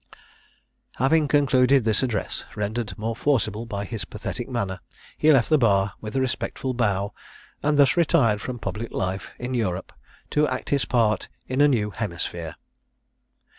Having concluded this address, rendered more forcible by his pathetic manner, he left the bar with a respectful bow, and thus retired from public life in Europe, to act his part in a new hemisphere.